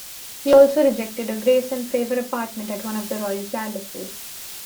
He also rejected a grace-and-favour apartment at one of the Royal Palaces.